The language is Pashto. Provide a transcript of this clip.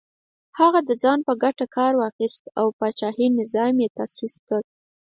هغه د ځان په ګټه کار واخیست او پاچاهي نظام یې تاسیس کړ.